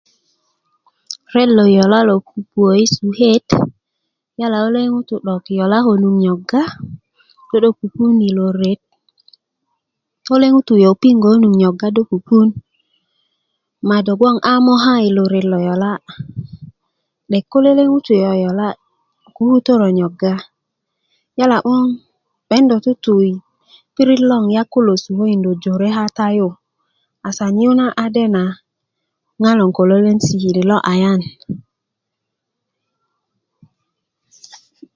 ret lo yola' lo pupuö i suket yala ko lele ŋutu yola' konu nyoga do 'dok pupun i lo ret ko le ŋutu yopingö konu nyoga do pupun ma do bgoŋ a moka i lo ret lo yola' 'dek ko lele ŋutu yoyola' ko kukutörö nyoga yala 'boŋ'ben do tutu i pirit nagon ŋutu kulo sukokindö jore kata yu asan yu na a dena ŋa loŋ ko lolon sikili lo ayan